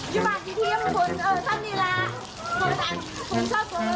อยู่บ้านพี่พีมฝนทำหนีระ